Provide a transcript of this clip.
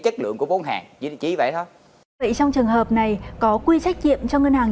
chất lượng của bốn hàng chỉ vậy thôi vậy trong trường hợp này có quy trách nhiệm cho ngân hàng